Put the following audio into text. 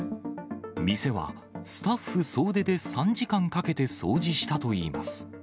店はスタッフ総出で３時間かけて掃除したといいます。